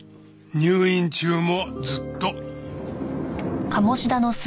入院中もずっと。